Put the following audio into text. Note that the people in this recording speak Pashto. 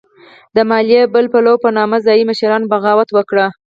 د مالیې بلوا په نامه ځايي مشرانو بغاوت وکړ.